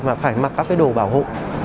mà phải mặc các cái đồ bảo hộ